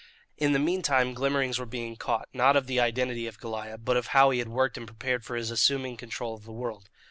In the meantime glimmerings were being caught, not of the identity of Goliah, but of how he had worked and prepared for his assuming control of the world.